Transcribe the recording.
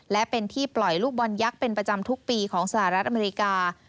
และเป็นที่ปล่อยลูกบอลยักษ์เป็นประจำทุกปีของสหรัฐอเมริกา